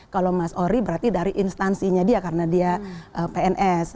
kalau mas ori berarti dari instansinya dia karena dia pns